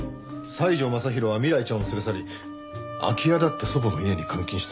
西條雅弘は未来ちゃんを連れ去り空き家だった祖母の家に監禁した。